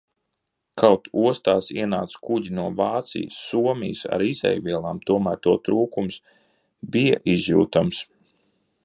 Kaut ostās ienāca kuģi no Vācijas, Somijas ar izejvielām, tomēr to trūkums bija izjūtams.